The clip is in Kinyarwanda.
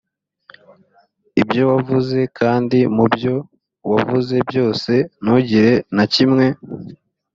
ibyo wavuze kandi mu byo wavuze byose ntugire na kimwe